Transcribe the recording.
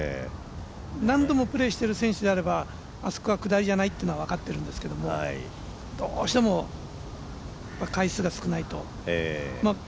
何度もプレーしてる選手であれば、あそこが下りじゃないと分かっているんですけども、どうしても回数が少ないと。